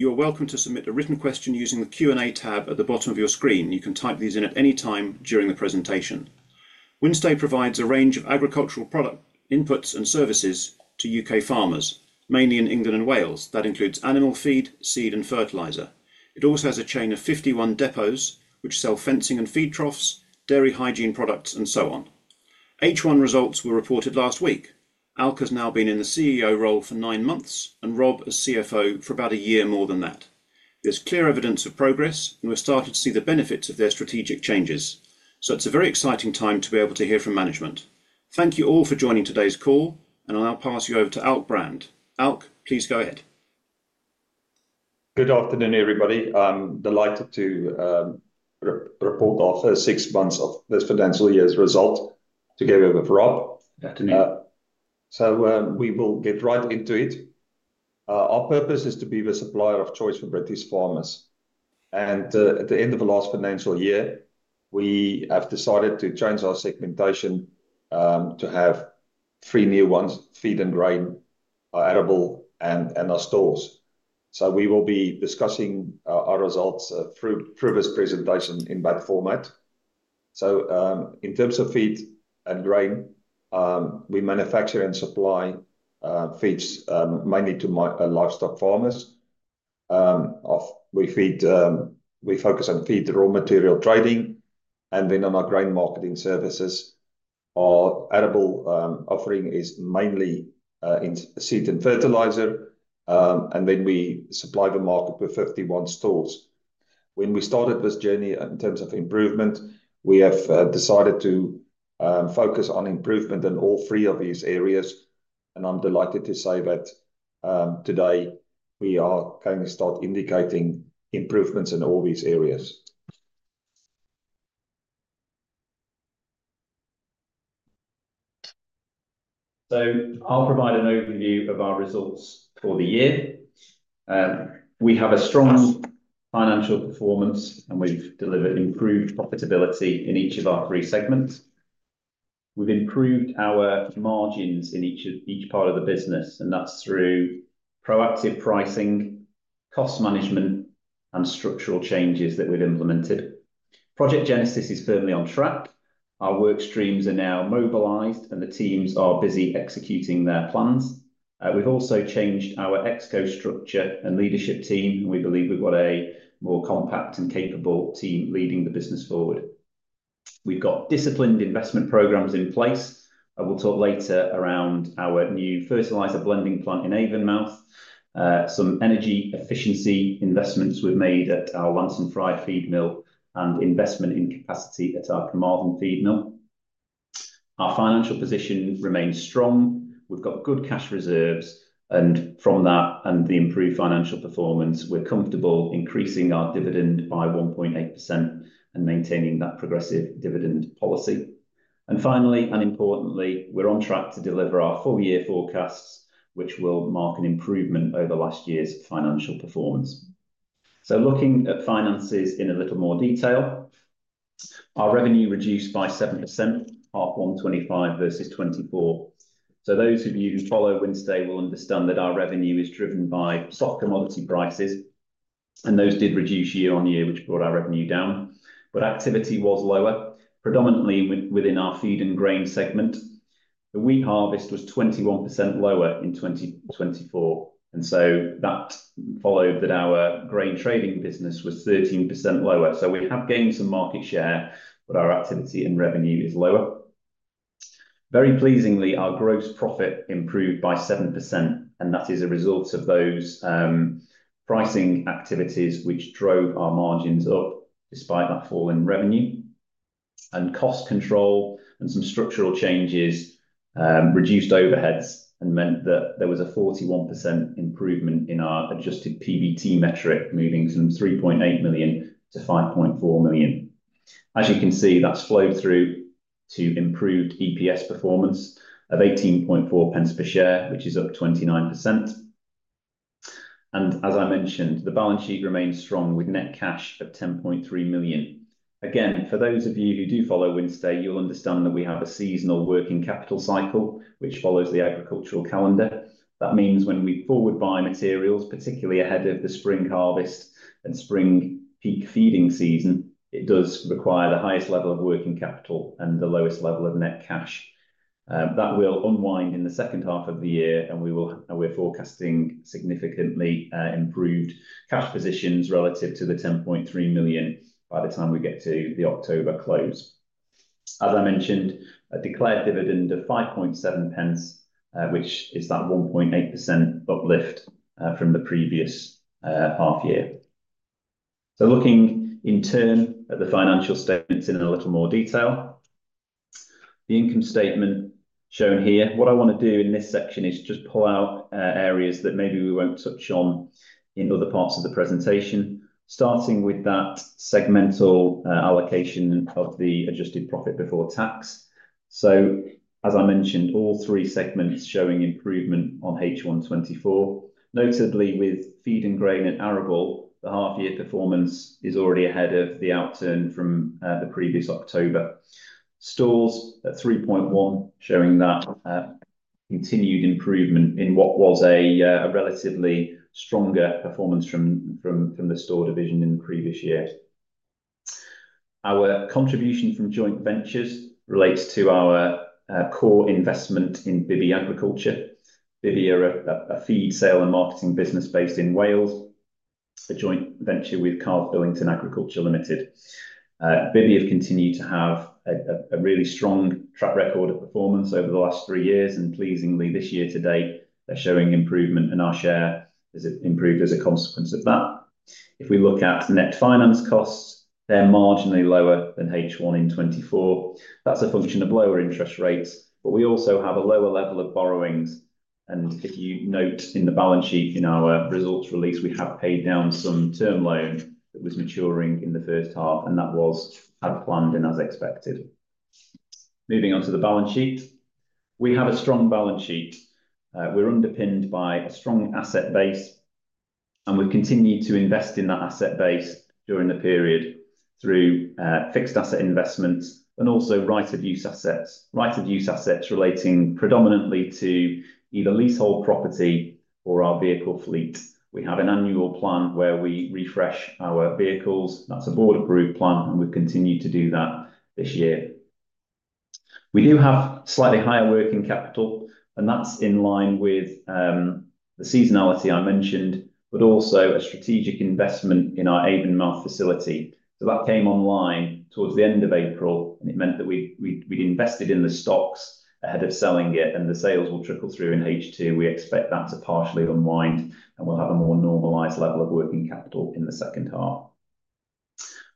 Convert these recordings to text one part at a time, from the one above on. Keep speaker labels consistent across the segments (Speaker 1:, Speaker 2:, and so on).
Speaker 1: You are welcome to submit a written question using the Q&A tab at the bottom of your screen. You can type these in at any time during the presentation. Wynnstay provides a range of agricultural products, inputs, and services to U.K. farmers, mainly in England and Wales. That includes animal feed, seed, and fertiliser. It also has a chain of 51 depots which sell fencing and feed troughs, dairy hygiene products, and so on. H1 results were reported last week. Alk has now been in the CEO role for nine months and Rob as CFO for about a year more than that. There's clear evidence of progress and we're starting to see the benefits of their strategic changes. It's a very exciting time to be able to hear from management. Thank you all for joining today's call and I'll now pass you over to Alk Brand. Please go ahead.
Speaker 2: Good afternoon, everybody. I'm delighted to report our first six months of this financial year's result together with Rob.
Speaker 3: Good afternoon.
Speaker 2: We will get right into it. Our purpose is to be the supplier of choice for British farmers. At the end of the last financial year, we have decided to change our segmentation to have three new ones: Feed and Grain, Arable, and our stores. We will be discussing our results through this presentation in that format. In terms of Feed and Grain, we manufacture and supply feeds mainly to livestock farmers. We focus on feed, raw material trading, and then on our grain marketing services. Our Arable offering is mainly in seeds and fertiliser, and we supply the market with 51 stores when we started this journey. In terms of improvement, we have decided to focus on improvement in all three of these areas, and I'm delighted to say that today we are going to start indicating improvements in all these areas.
Speaker 3: I'll provide an overview of our results for the year. We have a strong financial performance and we've delivered improved profitability in each of our three segments. We've improved our margins in each part of the business and that's through proactive pricing, cost management, and structural changes that we've implemented. Project Genesis is firmly on track. Our work streams are now mobilized and the teams are busy executing their plans. We've also changed our ExCo structure and leadership team. We believe we've got a more compact and capable team leading the business forward. We've got disciplined investment programs in place. I will talk later around our new fertiliser blending plant in Avonmouth, some energy efficiency investments we've made at our Llansantffraid feed mill, and investment in capacity at our Carmarthen feed mill. Our financial position remains strong. We've got good cash reserves and from that and the improved financial performance, we're comfortable increasing our dividend by 1.8% and maintaining that progressive dividend policy. Finally, and importantly, we're on track to deliver our full year forecasts which will mark an improvement over last year's financial performance. Looking at finances in a little more detail, our revenue reduced by 7% half 2025 versus 2024. Those of you who follow Wynnstay will understand that our revenue is driven by stock commodity prices and those did reduce year-on-year which brought our revenue down. Activity was lower, predominantly within our Feed and Grain segment. The wheat harvest was 21% lower in 2024 and so that followed that. Our grain trading business was 13% lower. We have gained some market share, but our activity and revenue is lower. Very pleasingly, our gross profit improved by 7% and that is a result of those pricing activities which drove our margins up despite that fall in revenue and cost control. Some structural changes reduced overheads and meant that there was a 41% improvement in our adjusted PBT metric, moving from 3.8 million to 5.4 million. As you can see, that's flowed through to improved EPS performance of 18.4 pence per share which is up 29%. As I mentioned, the balance sheet remains strong with net cash at 10.3 million. Again, for those of you who do follow Wynnstay, you'll understand that we have a seasonal working capital cycle which follows the agricultural calendar. That means when we forward buy materials, particularly ahead of the spring harvest and spring peak feeding season, it does require the highest level of working capital and the lowest level of net cash that will unwind in the second half of the year. We're forecasting significantly improved cash positions relative to the 10.3 million by the time we get to the October close. As I mentioned, a declared dividend of 5.7 pence, which is that 1.8% uplift from the previous half year. Looking in turn at the financial statements in a little more detail, the income statement shown here, what I want to do in this section is just pull-out areas that maybe we won't touch on in other parts of the presentation, starting with that segmental allocation of the adjusted profit before tax. As I mentioned, all three segments showing improvement on H1 2024, notably with Feed and Grain and Arable, the half-year performance is already ahead of the outturn from the previous October. Stores at 3.1 million showing that continued improvement in what was a relatively stronger performance from the store division in previous year. Our contribution from joint ventures relates to our core investment in Bibby Agriculture. Bibby are a feed sale and marketing business based in Wales, a joint venture with Carr's Billington Agriculture Ltd. Bibby have continued to have a really strong track record of performance over the last three years and pleasingly this year-to-date they're showing improvement and our share has improved as a consequence of that. If we look at net finance costs, they're marginally lower than H1 in 2024. That's a function of lower interest rates. We also have a lower level of borrowings and if you note in the balance sheet in our results release, we have paid down some term loans. That was maturing in the first half and that was as planned and as expected. Moving on to the balance sheet, we have a strong balance sheet. We're underpinned by a strong asset base and we've continued to invest in that asset base during the period through fixed asset investments and also right of use assets. Right of use assets relating predominantly to either leasehold property or our vehicle fleet. We have an annual plan where we refresh our vehicles. That's a board approved plan and we continue to do that this year. We do have slightly higher working capital and that's in line with the seasonality I mentioned. But also a strategic investment in our Avonmouth facility that came online towards the end of April, and it meant that we'd invested in the stocks ahead of selling it, and the sales will trickle through in H2. We expect that to partially unwind, and we'll have a more normalized level of working capital in the second half.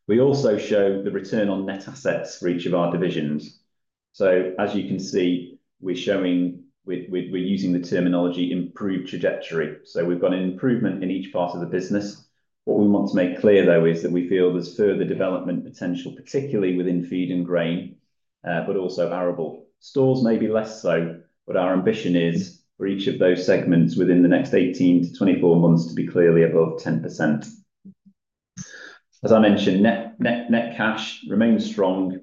Speaker 3: We also show the return on net assets for each of our divisions. As you can see, we're using the terminology improved trajectory, so we've got an improvement in each part of the business. What we want to make clear, though, is that we feel there's further development potential, particularly within Feed and Grain, but also Arable stores, maybe less so. Our ambition is for each of those segments within the next 18-24 months to be clearly above 10%. As I mentioned, net cash remains strong.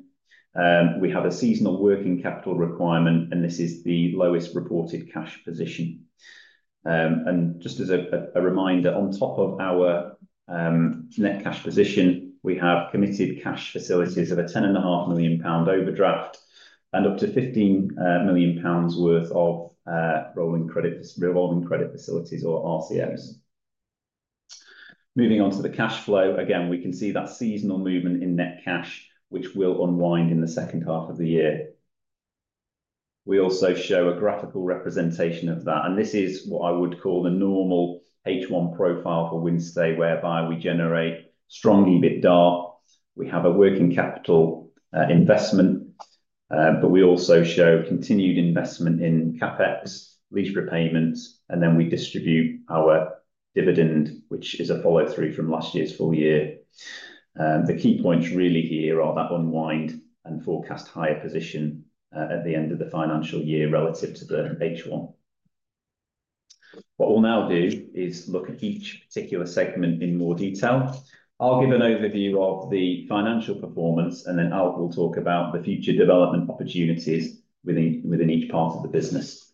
Speaker 3: We have a seasonal working capital requirement, and this is the lowest reported cash position. Just as a reminder, on top of our net cash position, we have committed cash facilities of a 10.5 million pound overdraft and up to 15 million pounds worth of revolving credit facilities or RCFs. Moving on to the cash flow, again we can see that seasonal movement in net cash, which will unwind in the second half of the year. We also show a graphical representation of that, and this is what I would call the normal H1 profile for Wynnstay, whereby we generate strong EBITDA. We have a working capital investment, but we also show continued investment in CapEx, lease repayments, and then we distribute our dividend, which is a follow-through from last year's full year. The key points really here are that unwind and forecast higher position at the end of the financial year relative to the H1. What we'll now do is look at each particular segment in more detail. I'll give an overview of the financial performance, and then Alk will talk about the future development opportunities within each part of the business.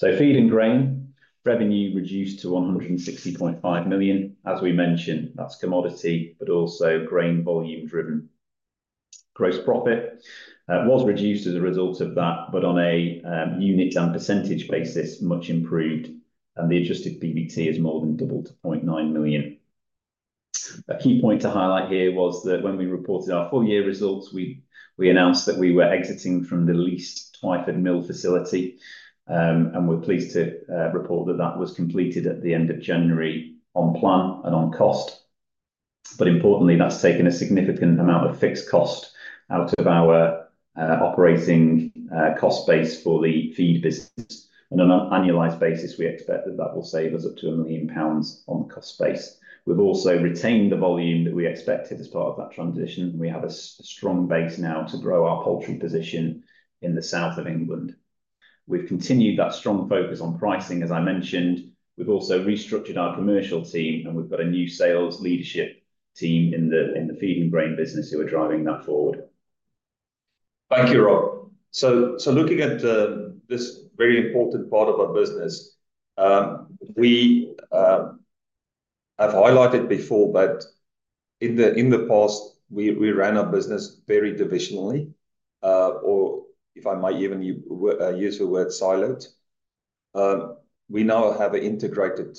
Speaker 3: Feed and Grain revenue reduced to 160.5 million, as we mentioned, that's commodity but also grain volume driven. Gross profit was reduced as a result of that, but on a unit and percentage basis, much improved, and the adjusted PBT is more than double to 0.9 million. A key point to highlight here was that when we reported our full-year results, we announced that we were exiting from the leased Twyford mill facility. We're pleased to report that that was completed at the end of January on plan and on cost. Importantly, that's taken a significant amount of fixed cost out of our operating cost base for the feed business on an annualized basis. We expect that will save us up to 1 million pounds on the cost base. We've also retained the volume that we expected as part of that transition. We have a strong base now to grow our poultry position in the south of England. We've continued that strong focus on pricing, as I mentioned. We've also restructured our commercial team, and we've got a new sales leadership team in the Feed and Grain business who are driving that forward.
Speaker 2: Thank you, Rob. Looking at this very important part of our business, we have highlighted before that in the past we ran our business very divisionally, or if I might even use the word siloed. We now have an integrated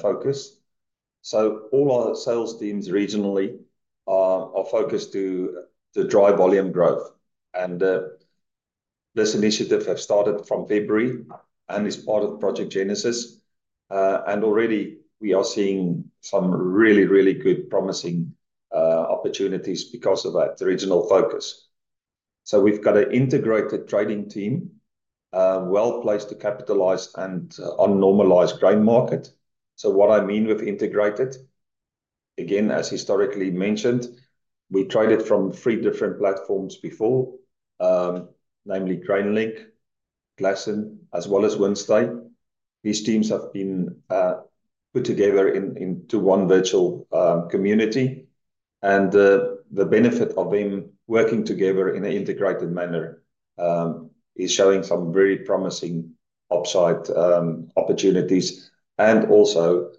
Speaker 2: focus. All our sales teams regionally are focused to drive volume growth. This initiative has started from February and is part of Project Genesis. Already we are seeing some really, really good promising opportunities because of that regional focus. We have got an integrated trading team well placed to capitalize on an unnormalized grain market. What I mean with integrated, again, as historically mentioned, we tried it from three different platforms before, namely GrainLink, Glasson, as well as Wynnstay. These teams have been put together into one virtual community, and the benefit of them working together in an integrated manner is showing some very promising upside opportunities and also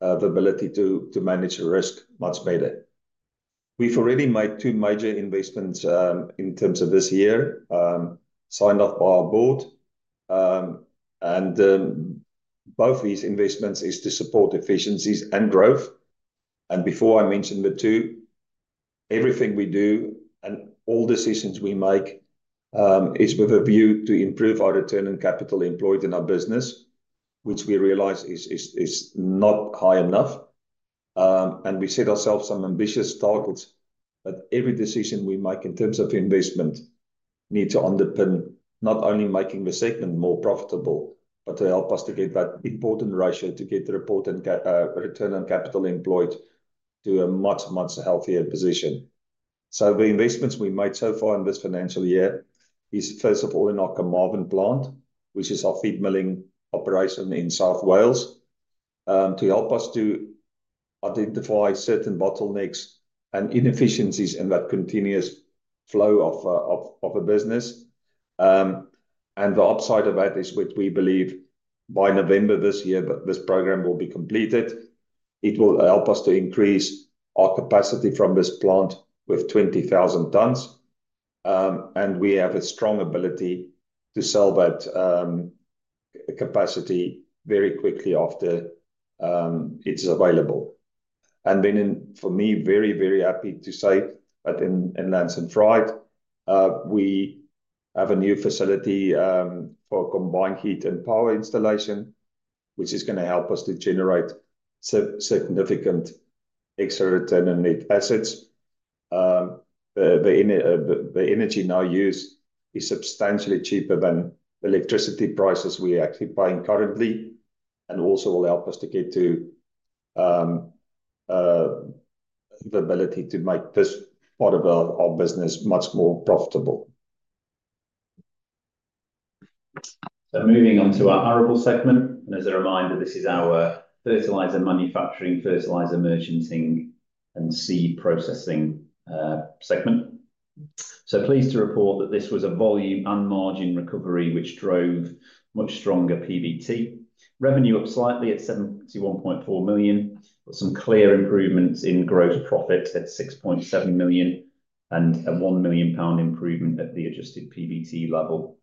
Speaker 2: the ability to manage risk much better. We have already made two major investments in terms of this year signed off by our board. Both these investments are to support efficiencies and growth. Before I mention the two, everything we do and all decisions we make are with a view to improve our return on capital employed in our business, which we realize is not high enough. We set ourselves some ambitious targets. Every decision we make in terms of investment needs to underpin not only making the segment more profitable, but to help us to get that important ratio, to get the return on capital employed to a much, much healthier position. The investments we made so far in this financial year are, first of all, in our Carmarthen plant, which is our feed milling operation in South Wales, to help us to identify certain bottlenecks and inefficiencies in that continuous flow of a business. The upside of that is, which we believe by November this year this program will be completed, it will help us to increase our capacity from this plant by 20,000 tonnes, and we have a strong ability to sell that capacity very quickly after it's available. I am very, very happy to say that in Llansantffraid we have a new facility for Combined Heat and Power installation, which is going to help us to generate significant extra return on net assets. The energy now used is substantially cheaper than electricity prices we are actually paying currently and also will help us to get to the ability to make this part of our business much more profitable.
Speaker 3: Moving on to our Arable segment, and as a reminder, this is our fertiliser manufacturing, fertiliser merchanting, and seed processing segment. Pleased to report that this was a volume and margin recovery which drove much stronger PBT. Revenue up slightly at 71.4 million, but some clear improvements in gross profit at 6.7 million and a 1 million pound improvement at the adjusted PBT level.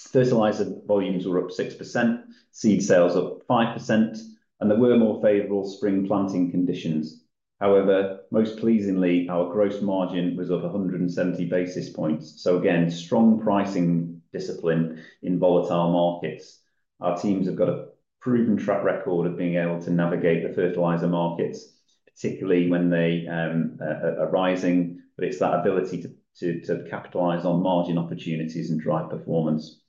Speaker 3: Fertiliser volumes were up 6%, seed sales up 5%, and there were more favorable spring planting conditions. However, most pleasingly, our gross margin was up 170 basis points. Again, strong pricing discipline in volatile markets. Our teams have got a proven track record of being able to navigate the fertiliser markets, particularly when they are rising. It's that ability to capitalize on margin opportunities and drive performance.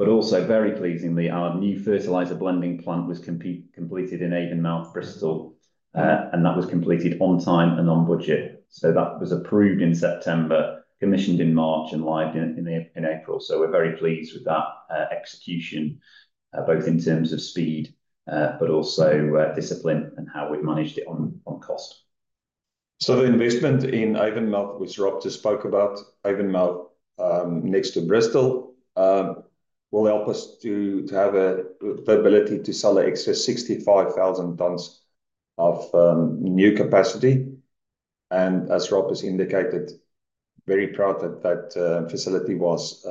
Speaker 3: Also, very pleasingly, our new fertiliser blending plant was completed in Avonmouth, and that was completed on time and on budget. That was approved in September, commissioned in March, and live in April. We're very pleased with that execution, both in terms of speed, but also discipline and how we've managed it on cost.
Speaker 2: The investment in Avonmouth, which Rob just spoke about, Avonmouth next to Bristol, will help us to have the ability to sell an extra 65,000 tonnes of new capacity. As Rob has indicated, very proud that that facility was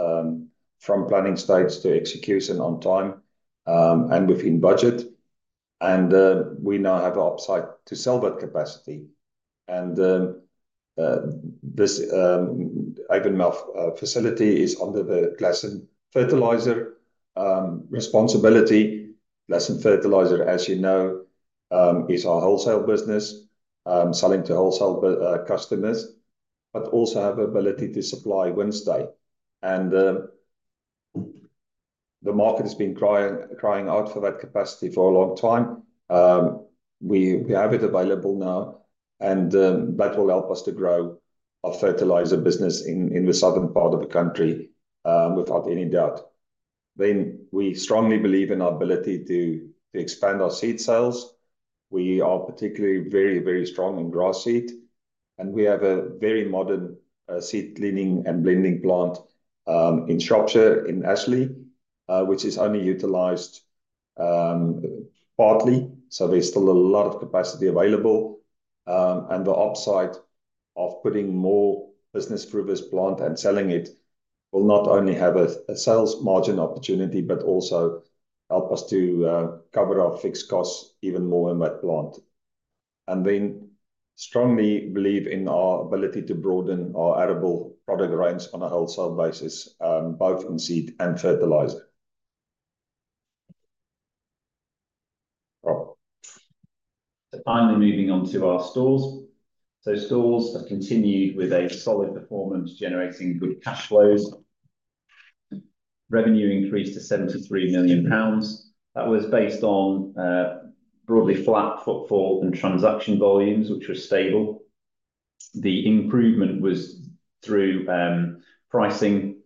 Speaker 2: from planning stage to execution on time and within budget. We now have upside to sell that capacity. This Avonmouth facility is under the Glasson Fertiliser responsibility. Glasson Fertiliser, as you know, is our wholesale business, selling to wholesale customers, but also has the ability to supply Wynnstay, and the market has been crying out for that capacity for a long time. We have it available now and that will help us to grow our fertiliser business in the southern part of the country. Without any doubt, we strongly believe in our ability to expand our seed sales. We are particularly very, very strong on grass seed and we have a very modern seed cleaning and blending plant in Shropshire, in Astley, which is only utilized partly. There's still a lot of capacity available. The upside of putting more business through this plant and selling it will not only have a sales margin opportunity, but also help us to cover our fixed costs even more in that plant. We strongly believe in our ability to broaden our Arable product range on a wholesale basis, both on seed and fertiliser.
Speaker 3: Finally, moving on to our stores. Stores have continued with a solid performance, generating good cash flows. Revenue increased to 73 million pounds. That was based on broadly flat footfall and transaction volumes, which were stable. The improvement was through pricing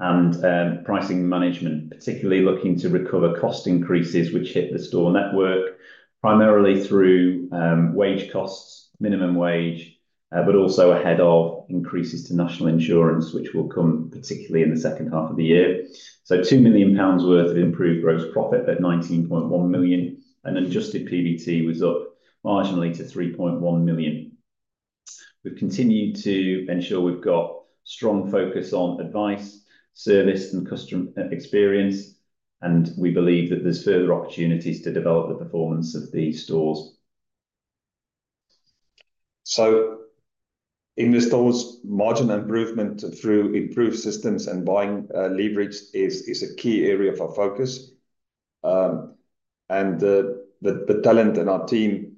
Speaker 3: and pricing management, particularly looking to recover cost increases which hit the store network primarily through wage costs, minimum wage, but also ahead of increases to national insurance, which will come particularly in the second half of the year. GPB 2 million worth of improved gross profit at 19.1 million and adjusted PBT was up marginally to 3.1 million. We've continued to ensure we've got strong focus on advice, service, and customer experience. We believe that there's further opportunities to develop the performance of these stores.
Speaker 2: Investors, margin improvement through improved systems and buying leverage is a key area of our focus, and the talent in our team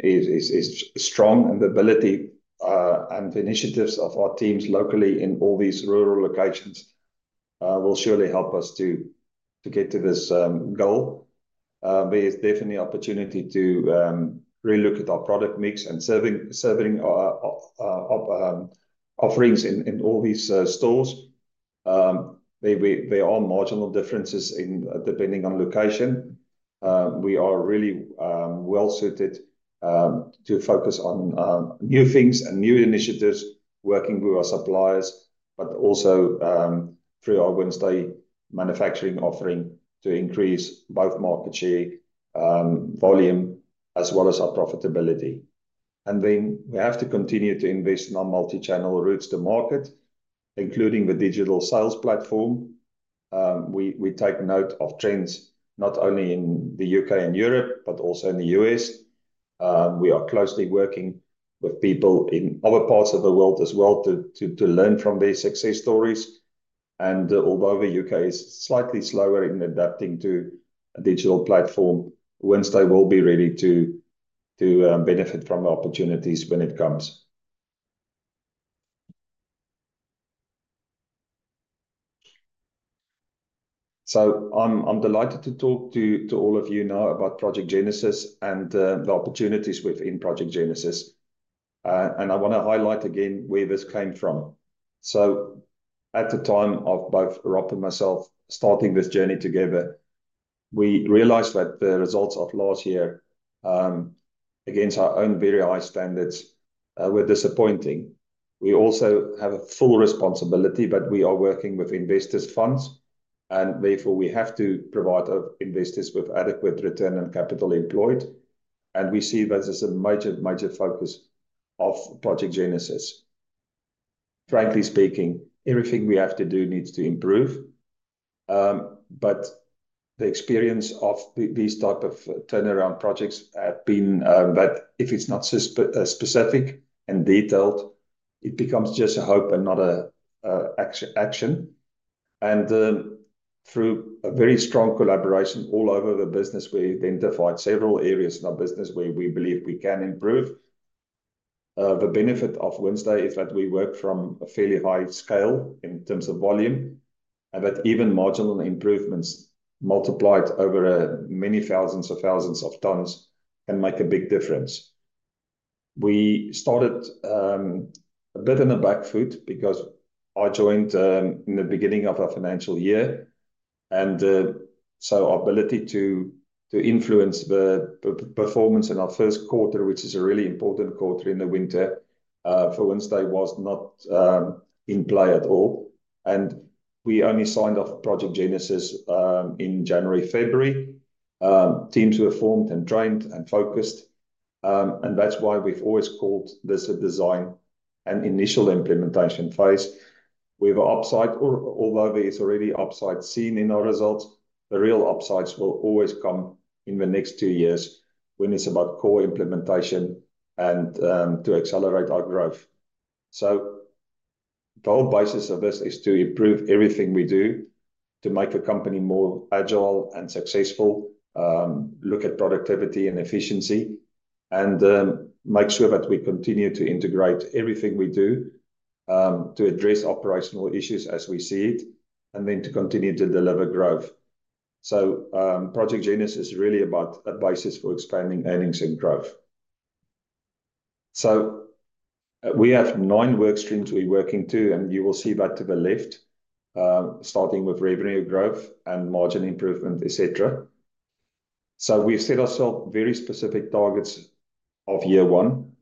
Speaker 2: is strong. The ability and the initiatives of our teams locally in all these rural locations will surely help us to get to this goal. There is definitely opportunity to really look at our product mix and serving offerings in all these stores. There are marginal differences depending on location. We are really well suited to focus on new things and new initiatives, working with our suppliers, but also through our Wynnstay manufacturing offering to increase both market share volume as well as our profitability. We have to continue to invest in our multi-channel routes to market, including the digital sales platform. We take note of trends not only in the U.K. and Europe, but also in the U.S. We are closely working with people in other parts of the world as well to learn from their success stories. Although the U.K. is slightly slower in adapting to a digital platform, Wynnstay will be ready to benefit from the opportunities when it comes. I'm delighted to talk to all of you now about Project Genesis and the opportunities within Project Genesis, and I want to highlight again where this came from. At the time of both Rob and myself starting this journey together, we realized that the results of last year against our own very high standards were disappointing. We also have a full responsibility, because we are working with investors' funds, and therefore we have to provide our investors with adequate return on capital employed, and we see that as a major focus of Project Genesis. Frankly speaking, everything we have to do needs to improve. The experience of these types of turnaround projects has been that if it's not specific and detailed, it becomes just a hope and not an action. Through a very strong collaboration all over the business, we identified several areas in our business where we believe we can improve. The benefit of Wynnstay is that we work from a fairly high scale in terms of volume, and that even marginal improvements multiplied over many thousands of tons make a big difference. We started a bit on the back foot because I joined in the beginning of our financial year, and our ability to influence the performance in our first quarter, which is a really important quarter in the winter for Wynnstay, was not in play at all. We only signed off Project Genesis in January or February. Teams were formed and trained and focused, and that's why we've always called this a design and initial implementation phase. We have upside, or although there is already upside seen in our results, the real upsides will always come in the next two years when it's about core implementation and to accelerate our growth. The whole basis of this is to improve everything we do to make the company more agile and successful, look at productivity and efficiency, and make sure that we continue to integrate everything we do to address operational issues as we see it, and then to continue to deliver growth. Project Genesis is really about a basis for expanding earnings and growth. We have nine work streams we work into, and you will see that to the left starting with revenue growth and margin improvement, etc. We set ourselves very specific targets for year one,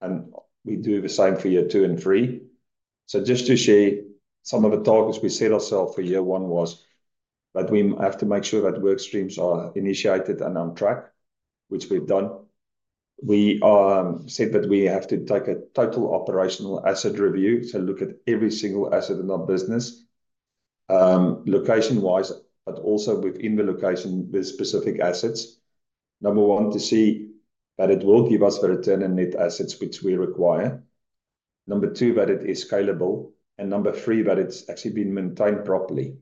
Speaker 2: and we do the same for year two and three. Just to share some of the targets we set ourselves for year one was that we have to make sure that work streams are initiated and on track, which we've done. We said that we have to take a total operational asset review, so look at every single asset in our business location-wise, but also within the location with specific assets. Number one, to see that it will give us the return on net assets which we require. Number two, that it is scalable, and number three, that it's actually been maintained properly.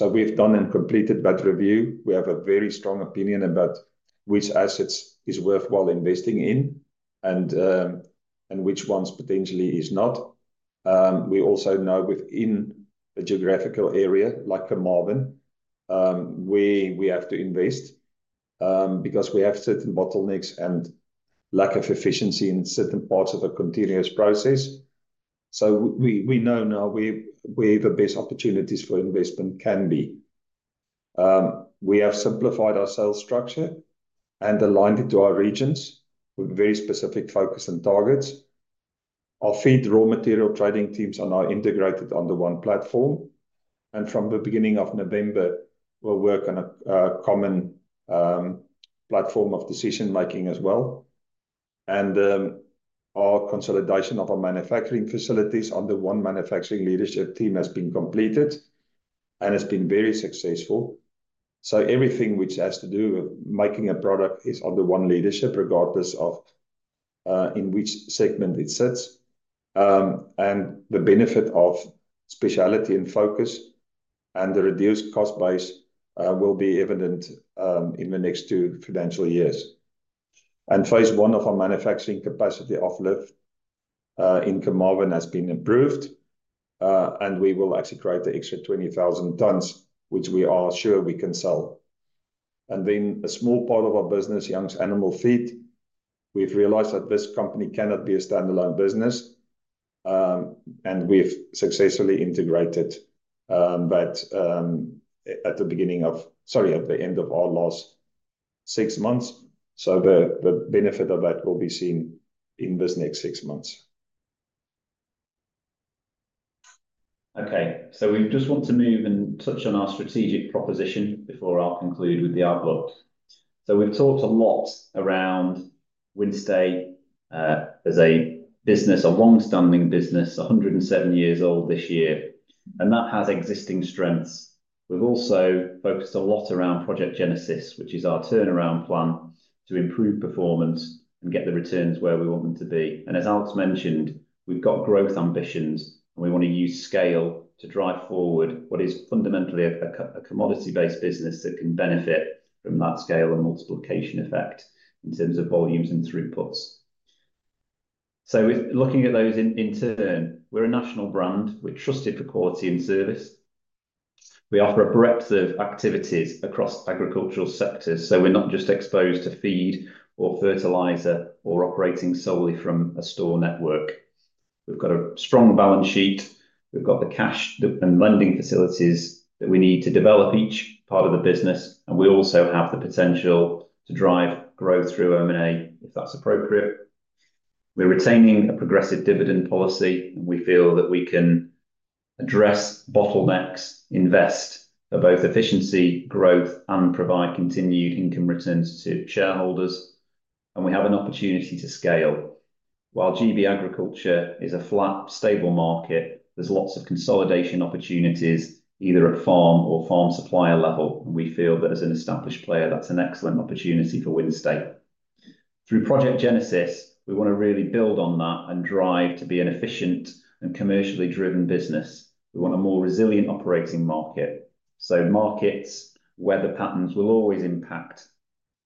Speaker 2: We've done and completed that review. We have a very strong opinion about which assets are worthwhile investing in and which ones potentially are not. We also know within a geographical area like Carmarthen where we have to invest because we have certain bottlenecks and lack of efficiency in certain parts of a continuous process. We know now where the best opportunities for investment can be. We have simplified our sales structure and aligned it to our regions with very specific focus and targets. Our feed raw material trading teams are now integrated on the one platform, and from the beginning of November we'll work on a common platform of decision making as well. Our consolidation of our manufacturing facilities under one manufacturing leadership team has been completed and has been very successful. Everything which has to do with making a product is under one leadership regardless of in which segment it sits. The benefit of specialty and focus and the reduced cost base will be evident in the next two financial years. Phase I of our manufacturing capacity uplift in Carmarthen has been approved. We will actually create the extra 20,000 tonnes which we are sure we can sell. A small part of our business, Youngs Animal Feeds, we've realized that this company cannot be a standalone business. We've successfully integrated that at the end of our last six months. The benefit of that will be seen in this next six months.
Speaker 3: Okay, we just want to move and touch on our strategic proposition before I'll conclude with the outlook. We've talked a lot around Wynnstay as a business, a long-standing business, 107 years old this year, and that has existing strengths. We've also focused a lot around Project Genesis, which is our turnaround plan to improve performance and get the returns where we want them to be. As Alk mentioned, we've got growth ambitions and we want to use scale to drive forward what is fundamentally a commodity-based business that can benefit from that scale and multiplication effect in terms of volumes and throughputs. Looking at those in turn, we're a national brand, we're trusted for quality and service. We offer a breadth of activities across agricultural sectors, so we're not just exposed to feed, or fertiliser, or operating solely from a store network. We've got a strong balance sheet, we've got the cash and lending facilities that we need to develop each part of the business. We also have the potential to drive growth through M&A if that's appropriate. We're retaining a progressive dividend policy. We feel that we can address bottlenecks, invest in both efficiency growth and provide continued income returns to shareholders, and we have an opportunity to scale. While GB agriculture is a flat, stable market, there's lots of consolidation opportunities either at farm or farm supplier level. We feel that as an established player, that's an excellent opportunity for Wynnstay. Through Project Genesis, we want to really build on that and drive to be an efficient and commercially driven business. We want a more resilient operating market. Markets and weather patterns will always impact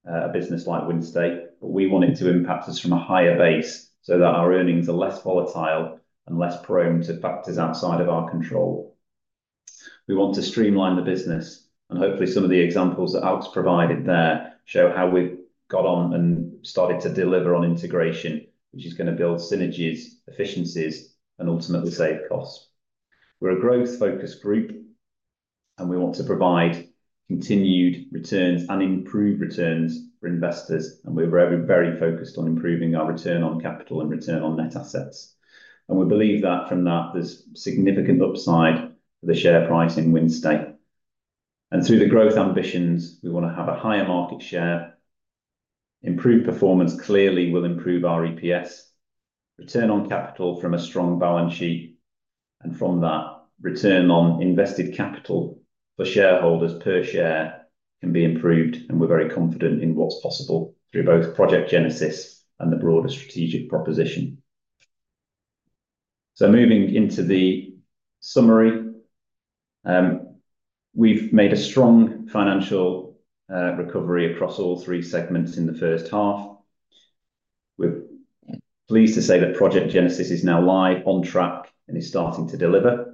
Speaker 3: a business like Wynnstay, but we want it to impact us from a higher base so that our earnings are less volatile and less prone to factors outside of our control. We want to streamline the business, and hopefully some of the examples that Alk provided there show how we've got on and started to deliver on integration, which is going to build synergies, efficiencies, and ultimately save costs. We're a growth-focused group and we want to provide continued returns and improved returns for investors. We're very, very focused on improving our return on capital and return on net assets. We believe that from that, there's significant upside for the share price in Wynnstay, and through the growth ambitions, we want to have a higher market share. Improved performance clearly will improve our EPS. Return on capital from a strong balance sheet and from that return on invested capital for shareholders per share can be improved, and we're very confident in what's possible through both Project Genesis and the broader strategic proposition. Moving into the summary, we've made a strong financial recovery across all three segments in the first half. We're pleased to say that Project Genesis is now live, on track, and is starting to deliver.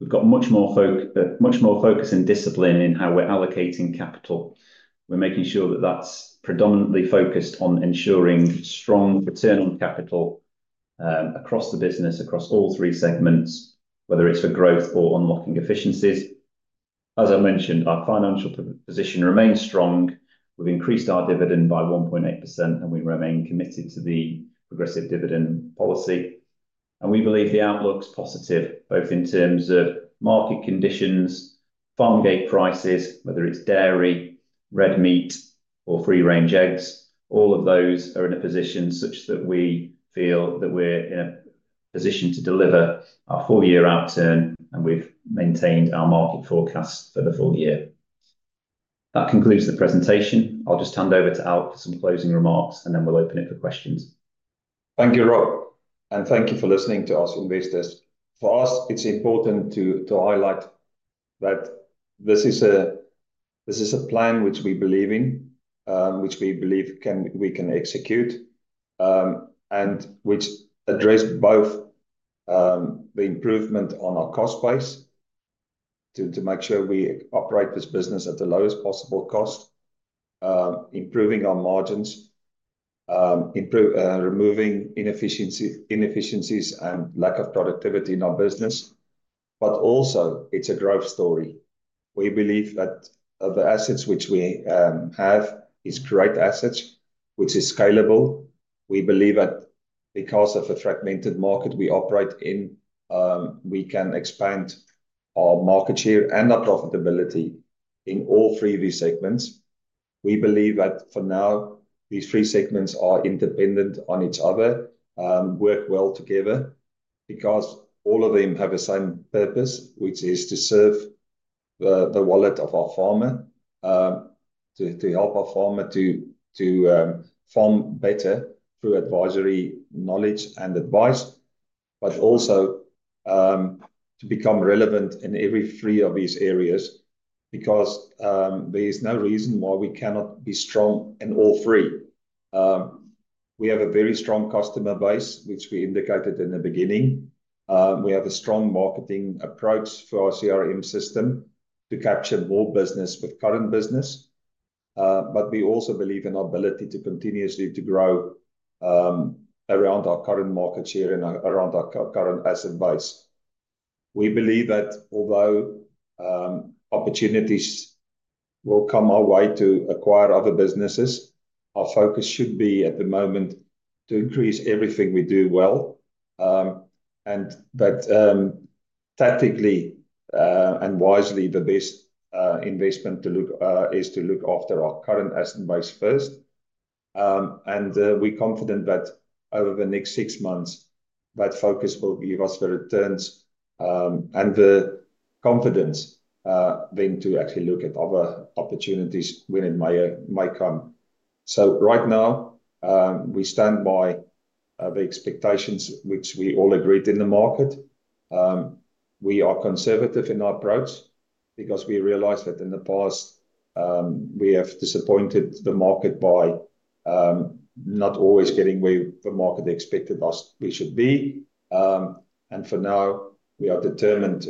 Speaker 3: We've got much more focus and discipline in how we're allocating capital. We're making sure that that's predominantly focused on ensuring strong return on capital across the business across all three segments, whether it's for growth or unlocking efficiencies. As I mentioned, our financial position remains strong. We've increased our dividend by 1.8% and we remain committed to the progressive dividend policy. We believe the outlook is positive both in terms of market conditions, farm gate prices, whether it's dairy, red meat, or free-range eggs, all of those are in a position such that we feel that we're in a position to deliver a full year outturn and we've maintained our market forecast for the full year. That concludes the presentation. I'll just hand over to Alk for some closing remarks and then we'll open it for questions.
Speaker 2: Thank you, Rob, and thank you for listening to Ask Investors. For us, it's important to highlight that this is a plan which we believe in, which we believe we can execute, and which addresses both the improvement on our cost waves to make sure we operate this business at the lowest possible cost. Improving our margins, removing inefficiencies and lack of productivity in our business. It is also a growth story. We believe that the assets which we have are great assets which are scalable. We believe that because of a fragmented market we operate in, we can expand our market share and our profitability in all three of these segments. We believe that for now these three segments are independent of each other, work well together because all of them have the same purpose, which is to serve the wallet of our farmer, to help our farmer to farm better through advisory knowledge and advice, but also to become relevant in every three of these areas because there is no reason why we cannot be strong in all three. We have a very strong customer base, which we indicated in the beginning. We have a strong marketing approach for our CRM system to capture more business with current business. We also believe in our ability to continuously grow around our current market share and around our current asset base. We believe that although opportunities will come our way to acquire other businesses, our focus should be at the moment to increase everything we do well, and tactically and wisely the best investment is to look after our current asset base first. We are confident that over the next six months that focus will give us the returns and the confidence then to actually look at other opportunities when it might come. Right now we stand by the expectations which we all agreed in the market. We are conservative in our approach because we realize that in the past we have disappointed the market by not always getting where the market expected us to be. For now, we are determined,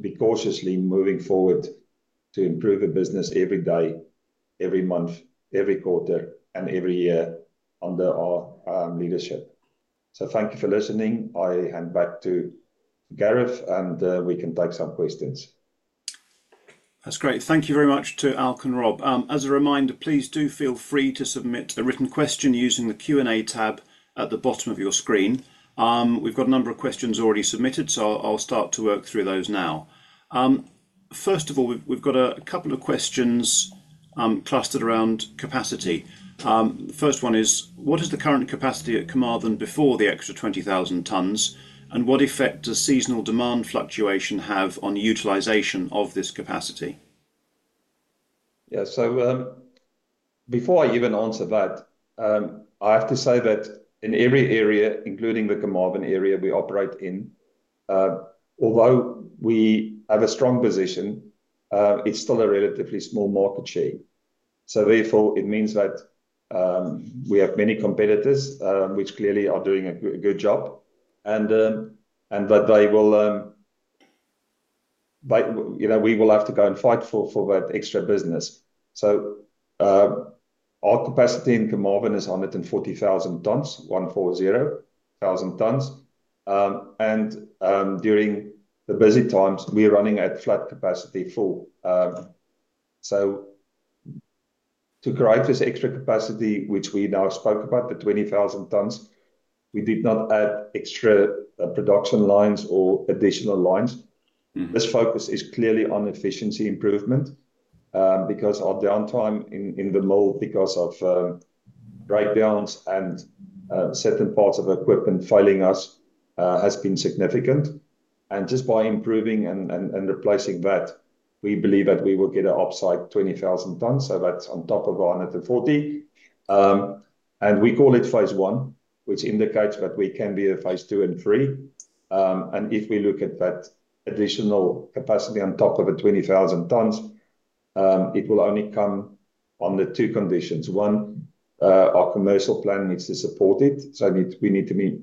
Speaker 2: be cautiously moving forward to improve a business every day, every month, every quarter, and every year under our leadership. Thank you for listening. I hand back to Gareth and we can take some questions.
Speaker 1: That's great. Thank you very much to Alk and Rob. As a reminder, please do feel free to submit a written question using the Q&A tab at the bottom of your screen. We've got a number of questions already submitted, so I'll start to work through those now. First of all, we've got a couple of questions clustered around capacity. The first one is, what is the current capacity at Carmarthen before the extra 20,000 tonnes? What effect does seasonal demand fluctuation have on utilization of this capacity?
Speaker 2: Yeah, before I even answer that, I have to say that in every area, including the Carmarthen area we operate in, although we have a strong position, it's still a relatively small market share. Therefore, it means that we have many competitors which clearly are doing a good job and that they will, we will have to go and fight for that extra business. Our capacity in Carmarthen is 140,000 tonnes, 140,000 tonnes. During the busy times we're running at full capacity. To create this extra capacity which we now spoke about, the 20,000 tonnes, we did not add extra production lines or additional lines. This focus is clearly on efficiency improvement, because our downtime in the mill because of breakdowns and certain parts of equipment failing us has been significant. Just by improving and replacing that, we believe that we will get an upside of 20,000 tonnes. That's on top of 140, and we call it phase I, which indicates that there can be a phase II and III. If we look at that additional capacity on top of the 20,000 tonnes, it will only come under two conditions. One, our commercial plan needs to support it, so we need to be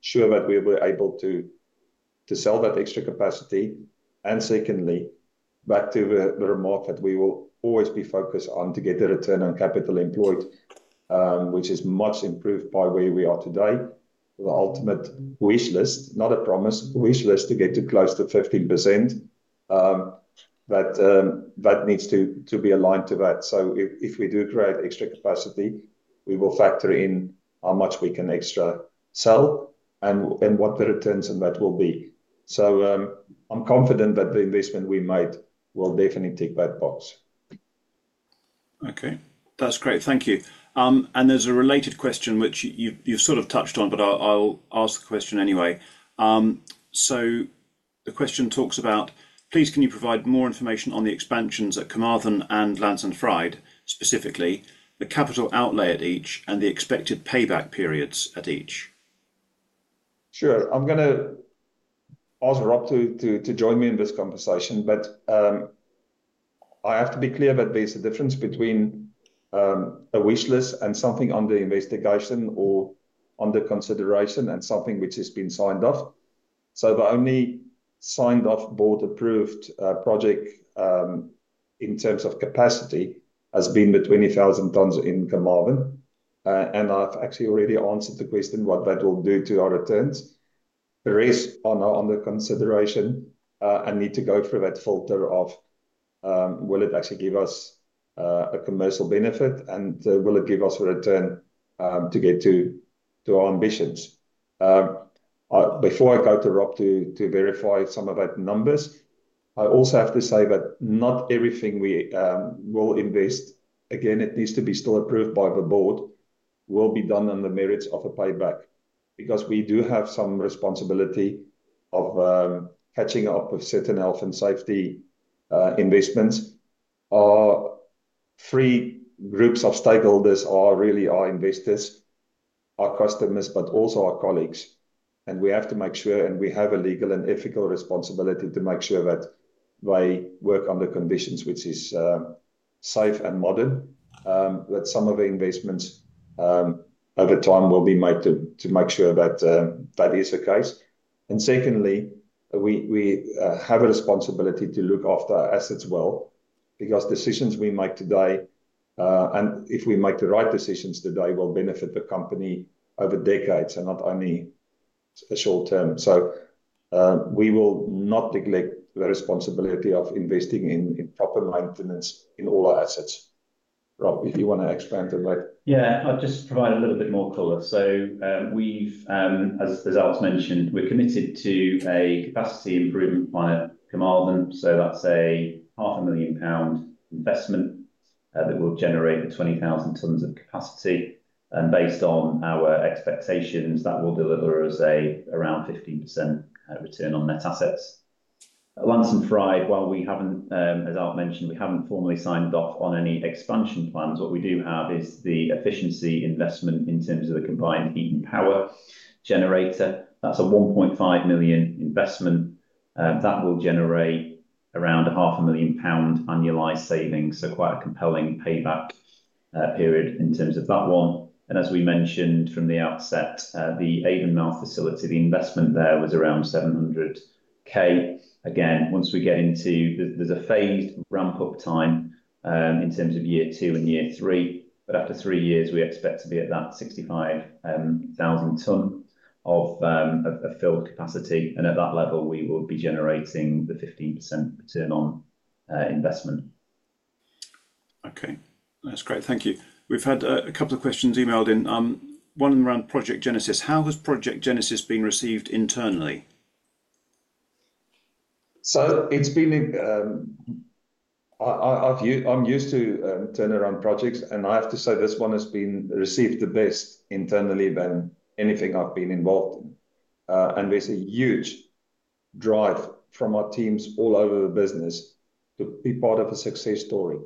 Speaker 2: sure that we are able to sell that extra capacity. Secondly, back to the remark that we will always be focused on getting a return on capital employed, which is much improved by where we are today. The ultimate wish list, not a promise wish list, to get to close to 15%, that needs to be aligned to that. If we do create extra capacity, we will factor in how much we can extra sell and what the returns on that will be. I'm confident that the investment we made will definitely take that part.
Speaker 1: Okay, that's great, thank you. There's a related question which you sort of touched on, but I'll ask a question anyway. The question talks about, please can you provide more information on the expansions at Carmarthen and Llansantffraid, specifically the capital outlay at each and the expected payback periods at each.
Speaker 2: Sure. I'm going to ask Rob to join me in this conversation. I have to be clear that there's a difference between a wish list and something under investigation or under consideration and something which has been signed off. The only signed off board approved project in terms of capacity has been the 20,000 tonnes in Carmarthen and I've actually already answered the question what that will do to our returns. The rest are now under consideration and need to go through that filter of will it actually give us a commercial benefit and will it give us a return to get to our ambitions. Before I go to Rob to verify some of those numbers, I also have to say that not everything we will invest again, it needs to be still approved by the board, will be done on the merits of a payback because we do have some responsibility of catching up with certain health and safety investments. Our three groups of stakeholders are really our investors, our customers, but also our colleagues and we have to make sure and we have a legal and ethical responsibility to make sure that they work under conditions which are safe and modern, that some of the investments over time will be made to make sure that that is the case. Secondly, we have a responsibility to look after our assets well because decisions we make today and if we make the right decisions today will benefit the company over decades and not only short term. We will not neglect the responsibility of investing in proper maintenance in all our assets. Rob, if you want to expand on that.
Speaker 3: Yeah, I'll just provide a little bit more color. As Alk mentioned, we're committed to a capacity improvement plan. That's a 500,000 pound investment that will generate the 20,000 tonnes of capacity, and based on our expectations, that will deliver us around 15% return on net assets. While we haven't, as Alk mentioned, formally signed off on any expansion plans, what we do have is the efficiency investment in terms of the Combined Heat and Power generator. That's a 1.5 million investment that will generate around 500,000 pound annualized savings. Quite a compelling payback period in terms of that one. As we mentioned from the outset, the Avonmouth facility investment there was around 700,000. Once we get into it, there's a phased ramp-up time in terms of year two and year three, but after three years we expect to be at that 65,000 tonnes of full capacity. At that level, we will be generating the 15% return on investment.
Speaker 1: Okay, that's great. Thank you. We've had a couple of questions emailed in, one around Project Genesis. How has Project Genesis been received internally?
Speaker 2: I'm used to turnaround projects and I have to say this one has been received the best internally than anything I've been involved in. There's a huge drive from our teams all over the business to be part of a success story.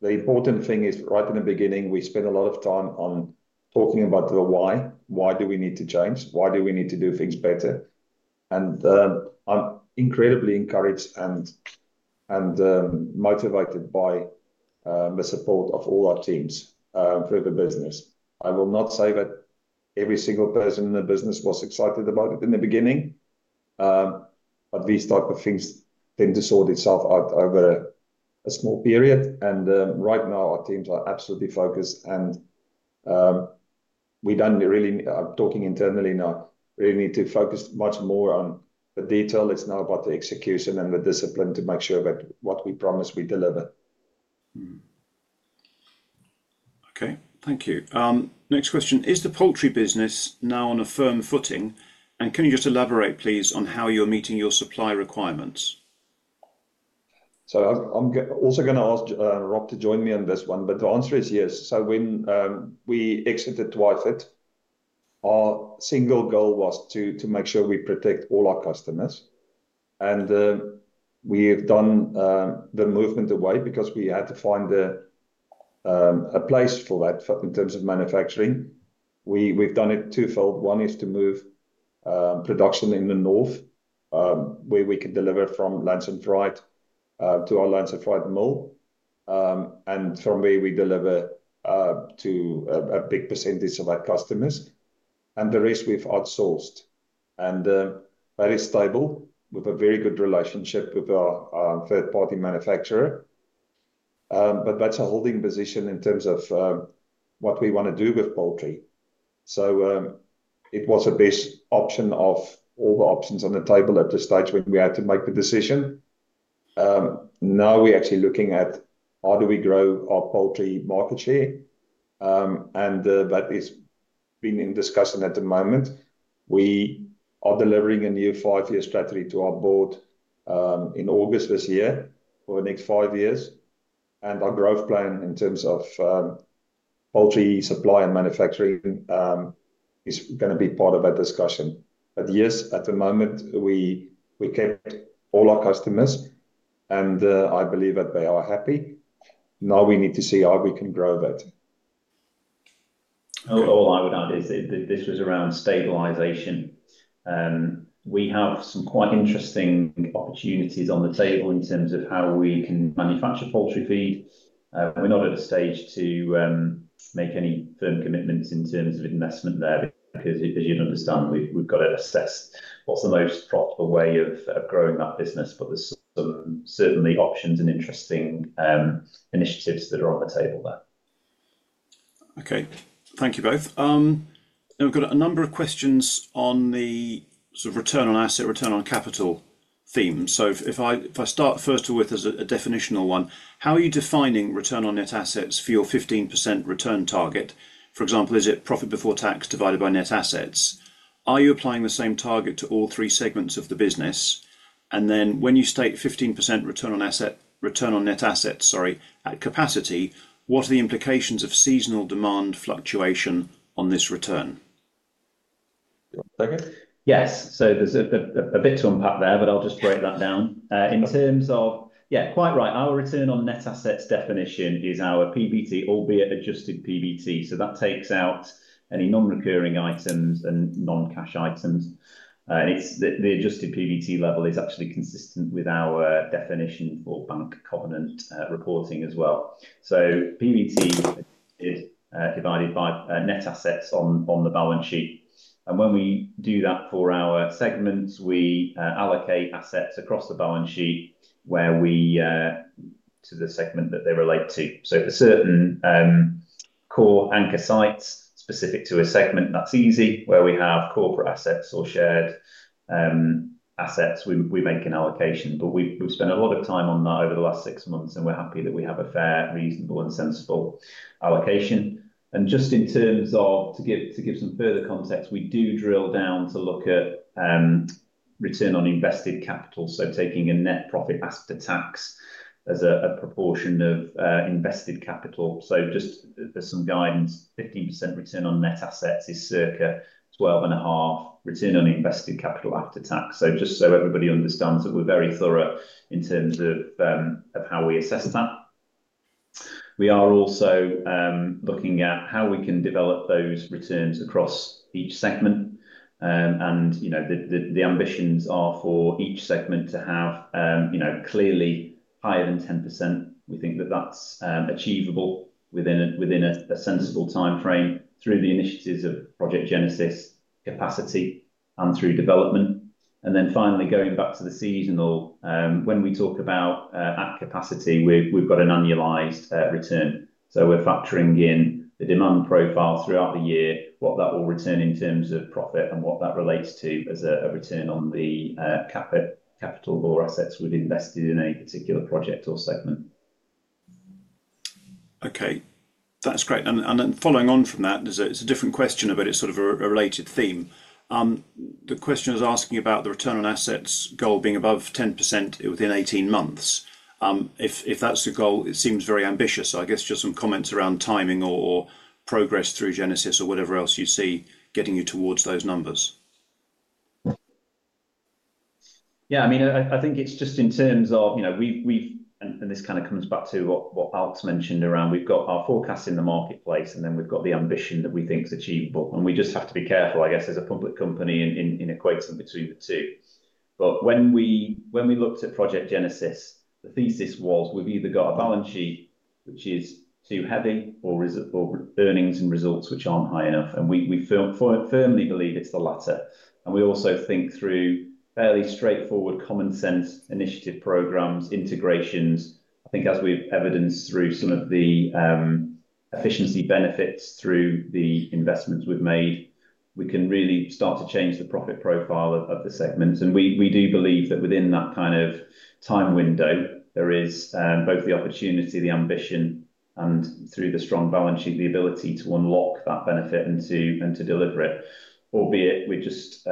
Speaker 2: The important thing is right from the beginning, we spend a lot of time on talking about the why, why do we need to change, why do we need to do things better. I'm incredibly encouraged and motivated by the support of all our teams through the business. I will not say that every single person in the business was excited about it in the beginning, but these type of things tend to sort itself out over a small period. Right now our teams are absolutely focused and we don't really, I'm talking internally now, really need to focus much more on the detail. It's now about the execution and the discipline to make sure that what we promise, we deliver.
Speaker 1: Okay, thank you. Next question. Is the poultry business now on a firm footing? Can you just elaborate please on how you're meeting your supply requirements?
Speaker 2: I'm also going to ask Rob to join me on this one. The answer is yes. When we exited Twyford, our single goal was to make sure we protect all our customers. We have done the movement away because we had to find a place for that. In terms of manufacturing, we've done it twofold. One is to move production in the north where we could deliver from Llansantffraid to our Llansantffraid mill, and from there we deliver to a big percentage of our customers. The rest we've outsourced, and that is stable with a very good relationship with our third-party manufacturer. That's a holding position in terms of what we want to do with poultry. It was the best option of all the options on the table at the stage when we had to make the decision. Now we're actually looking at how do we grow our poultry market share. That is being discussed at the moment. We are delivering a new five-year strategy to our board in August this year for the next five years. Our growth plan in terms of poultry supply and manufacturing is going to be part of our discussion. At the moment we kept all our customers, and I believe that they are happy now. We need to see how we can grow that.
Speaker 3: All I would add is this was around stabilization. We have some quite interesting opportunities on the table in terms of how we can manufacture poultry feed. We're not at a stage to make any firm commitments in terms of investment there because you'd understand we've got to assess what's the most profitable way of growing that business. There are certainly options and interesting initiatives that are on the table there.
Speaker 1: Okay, thank you both. We've got a number of questions on the sort of return on asset, return on capital theme. If I start first with a definitional one, how are you defining return on net assets for your 15% return target? For example, is it profit before tax divided by net assets? Are you applying the same target to all three segments of the business? When you state 15% return on net assets at capacity, what are the implications of seasonal demand fluctuation on this return?
Speaker 3: Yes, there's a bit to unpack there, but I'll just write that down in terms of, yeah, quite right. Our return on net assets definition is our PBT, albeit adjusted PBT. That takes out any non-recurring items and non-cash items. The adjusted PBT level is actually consistent with our definition for bank covenant reporting as well. PBT is divided by net assets on the balance sheet. When we do that for our segments, we allocate assets across the balance sheet to the segment that they relate to. For certain core anchor sites specific to a segment, that's easy. Where we have corporate assets or shared assets, we make an allocation. We've spent a lot of time on that over the last six months and we're happy that we have a fair, reasonable, and sensible allocation. Just in terms of giving some further context, we do drill down to look at return on invested capital, taking net profit after tax as a proportion of invested capital. Just for some guidance, 15% return on net assets is circa 12.5% return on invested capital after tax. Just so everybody understands that we're very thorough in terms of how we assess that. We are also looking at how we can develop those returns across each segment. The ambitions are for each segment to have clearly higher than 10%. We think that's achievable within a sensible time frame through the initiatives of Project Genesis capacity and through development. Finally, going back to the seasonal, when we talk about at capacity, we've got an annualized return, so we're factoring in the demand profile throughout the year, what that will return in terms of profit, and what that relates to as a return on the capital or assets we'd invest in a particular project or segment.
Speaker 1: Okay, that's great. Following on from that, it's a different question but it's sort of a related theme. The question is asking about the return on assets goal being above 10% within 18 months. If that's the goal, it seems very ambitious. I guess just some comments around timing or progress through Project Genesis or whatever else you see getting you towards those numbers.
Speaker 3: Yeah, I mean I think it's just in terms of, you know, we've got our forecast in the marketplace and then we've got the ambition that we think is achievable and we just have to be careful I guess as a public company in equates and between the two. When we looked at Project Genesis, the thesis was we've either got a balance sheet which is too heavy or is it forward earnings and results which aren't high enough. We firmly believe it's the latter. We also think through fairly straightforward common sense initiative programs, integrations. I think as we've evidenced through some of the efficiency benefits through the investments we've made, we can really start to change the profit profile of the segments. We do believe that within that kind of time window there is both the opportunity, the ambition and through the strong balance sheet the ability to unlock that benefit and to deliver it. Albeit we're just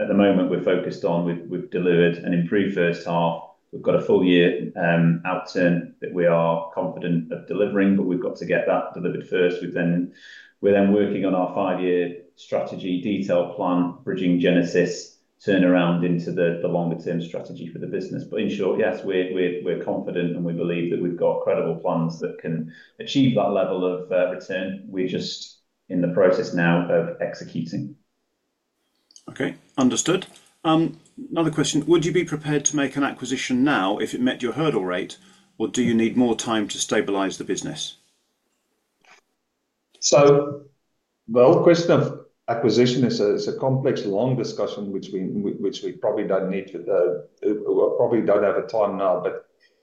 Speaker 3: at the moment we're focused on, we've delivered an improved first half, we've got a full year outturn that we are confident of delivering but we've got to get that delivered first. We're then working on our five-year strategy detail plan bridging Genesis turnaround into the longer term strategy for the business. In short, yes, we're confident and we believe that we've got credible plans that can achieve that level of return. We're just in the process now of executing.
Speaker 1: Okay, understood. Another question, would you be prepared to make an acquisition now if it met your hurdle rate or do you need more time to stabilize the business?
Speaker 2: The whole question of acquisition is a complex long discussion which we probably don't have time now.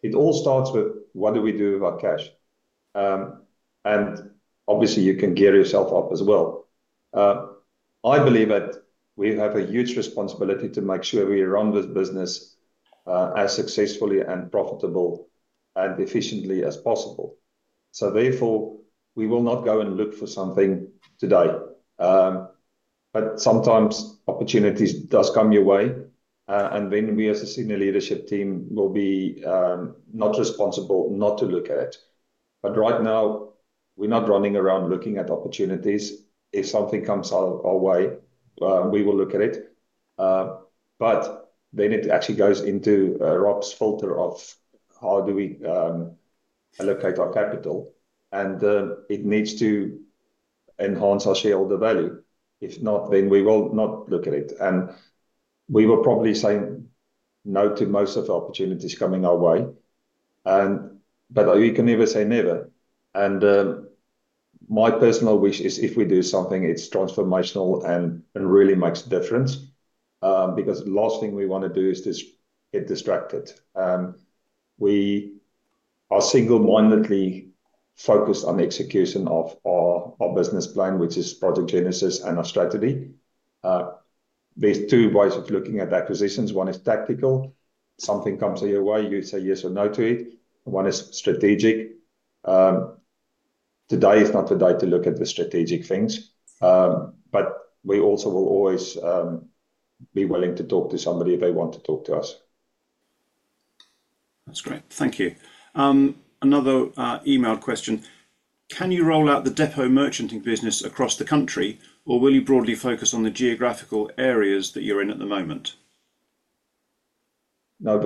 Speaker 2: It all starts with what do we do about cash. Obviously you can gear yourself up as well. I believe that we have a huge responsibility to make sure we run this business as successfully, profitably, and efficiently as possible. Therefore we will not go and look for something today. Sometimes opportunities do come your way and then we as a senior leadership team would be not responsible not to look at it. Right now we're not running around looking at opportunities. If something comes our way, we will look at it, but then it actually goes into Rob's filter of how do we allocate our capital and it needs to enhance our shareholder value. If not, then we will not look at it and we will probably say no to most of the opportunities coming our way. You can never say never. My personal wish is if we do something, it's transformational and really makes a difference because the last thing we want to do is to get distracted. We are single-mindedly focused on execution of our business plan, which is Project Genesis and our strategy. There are two ways of looking at acquisitions. One is tactical. Something comes your way, you say yes or no to it. One is strategic. Today is not the day to look at the strategic things, but we also will always be willing to talk to somebody if they want to talk to us.
Speaker 1: That's great, thank you. Another email question. Can you roll out the Depot Merchanting business across the country, or will you broadly focus on the geographical areas that you're in at the moment?
Speaker 2: Now,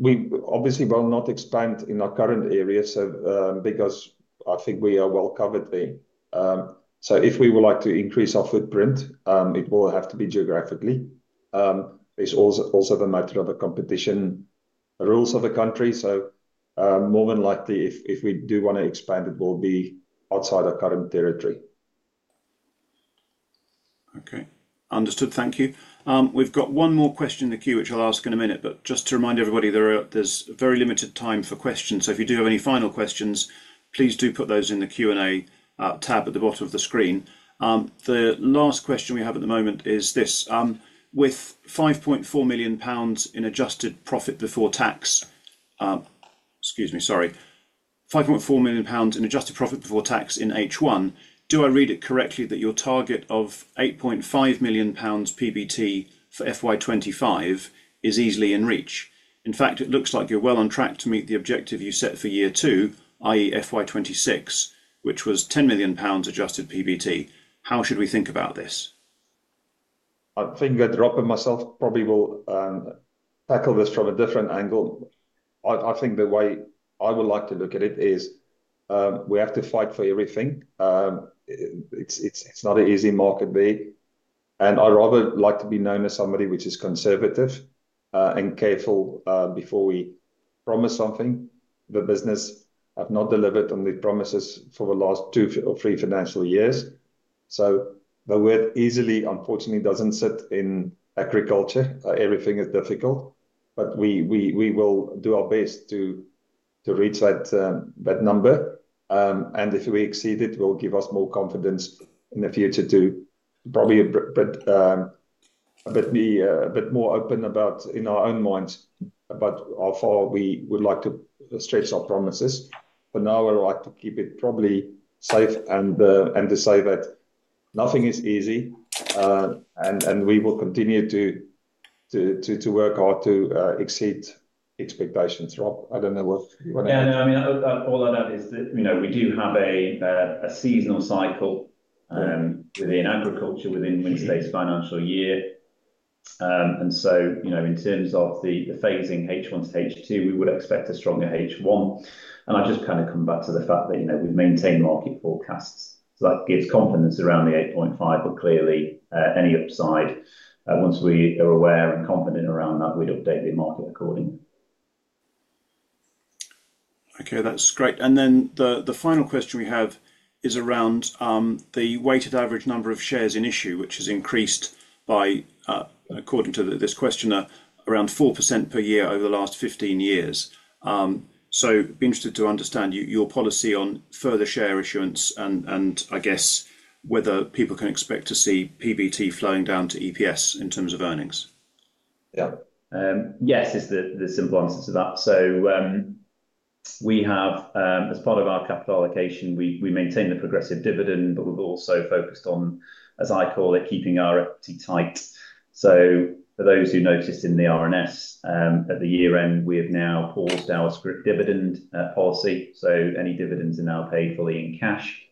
Speaker 2: we obviously will not expand in our current area because I think we are well covered there. If we would like to increase our footprint, it will have to be geographically. There's also the note of the competition rules of a country. More than likely if we do want to expand, it will be outside our current territory.
Speaker 1: Okay, understood. Thank you. We've got one more question in the queue which I'll ask in a minute. Just to remind everybody, there's very limited time for questions, so if you do have any final questions, please do put those in the Q&A tab at the bottom of the screen. The last question we have at the moment is this. With 5.4 million pounds in adjusted profit before tax in H1, do I read it correctly that your target of 8.5 million pounds PBT for FY 2025 is easily in reach? In fact, it looks like you're well on track to meet the objective you set for year two, that is FY 2026, which was 10 million pounds adjusted PBT. How should we think about this?
Speaker 2: I'll probably tackle this from a different angle. I think the way I would like to look at it is we have to fight for everything. It's not an easy market, and I rather like to be known as somebody who is conservative and careful before we promise something. The business has not delivered on the promises for the last two or three financial years, so the word easily unfortunately doesn't sit in agriculture. Everything is difficult, but we will do our best to reach that number, and if we exceed it, it will give us more confidence in the future to probably. A bit. We're more open in our own minds about how far we would like to stretch our promises, but now I like to keep it probably safe and to say that nothing is easy, and we will continue to work hard to exceed expectations. Rob, I don't know what.
Speaker 3: Yeah, no, I mean all I'd add is that we do have a seasonal cycle within agriculture within Wynnstay's financial year, and in terms of the phasing H1 to H2, we would expect a stronger H1. I just kind of come back to the fact that we've maintained market forecasts, so that gives confidence around the 8.5 million, but clearly any upside, once we are aware and confident around that, we'd update the market accordingly.
Speaker 1: Okay, that's great, and the final question we have is around the weighted average number of shares in issue, which has increased by, according to this questionnaire, around 4% per year over the last 15 years. I'd be interested to understand your policy on further share issuance, and I guess whether people can expect to see PBT flowing down to EPS in terms of earnings.
Speaker 3: Yes, is the simple answer to that. As part of our capital allocation, we maintain the progressive dividend, but we've also focused on, as I call it, keeping our equity tight. For those who noticed in the RNS at the year end, we have now paused our dividend policy, so any dividends are now paid fully in cash.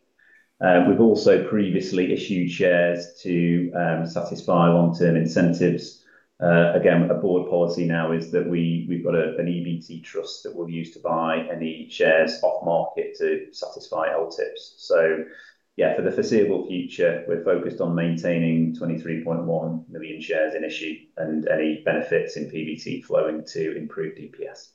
Speaker 3: We've also previously issued shares to satisfy long term incentives. Again, a board policy now is that we've got an EBT trust that we'll use to buy any shares off market to satisfy LTIPs. For the foreseeable future, we're focused on maintaining 23.1 million shares initially, and any benefits in PBT flowing to improve DPS.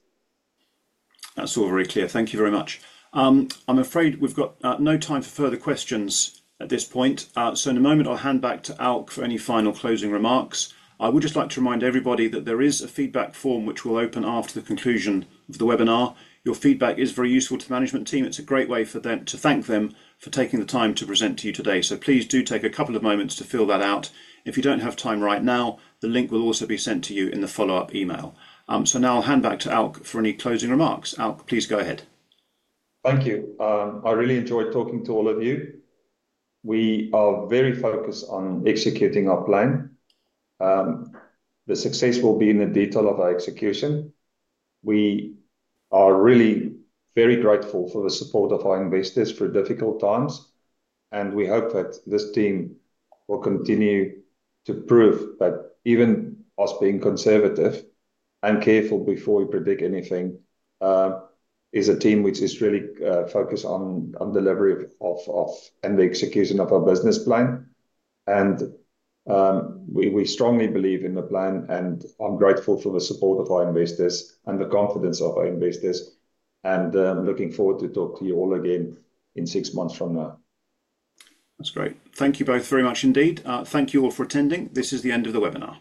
Speaker 1: That's all very clear, thank you very much. I'm afraid we've got no time for further questions at this point. In a moment, I'll hand back to Alk for any final closing remarks. I would just like to remind everybody that there is a feedback form which will open after the conclusion of the webinar. Your feedback is very useful to the management team. It's a great way to thank them for taking the time to present to you today. Please do take a couple of moments to fill that out. If you don't have time right now, the link will also be sent to you in the follow up email. Now I'll hand back to Alk for any closing remarks. Alk, please go ahead.
Speaker 2: Thank you. I really enjoyed talking to all of you. We are very focused on executing our plan. The success will be in the detail of our execution. We are really very grateful for the support of our investors through difficult times, and we hope that this team will continue to prove that even us being conservative and careful before we predict anything is a team which is really focused on delivery and the execution of our business plan. We strongly believe in the plan. I'm grateful for the support of our investors and the confidence of our investors. I'm looking forward to talk to you all again in six months from now.
Speaker 3: That's great.
Speaker 1: Thank you both very much indeed. Thank you all for attending. This is the end of the webinar.